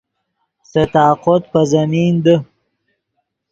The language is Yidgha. سے طاقوت پے زمین دے